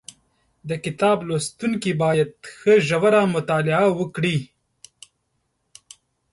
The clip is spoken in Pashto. د کتاب لوستونکي باید ښه ژوره مطالعه وکړي